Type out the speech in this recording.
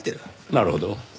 なるほど。